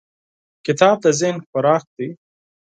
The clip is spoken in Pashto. کتاب د ذهن خوراک دی.